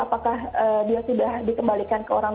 apakah dia sudah dikembalikan ke rumah aman